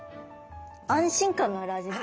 安心感のある味ですね。